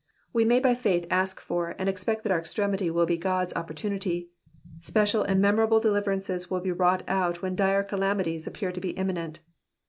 We may by faith ask for and expect that our extremity will be God's opportunity ; special and memorable deliverances will be wrought out when dire calamities appear to be imminent.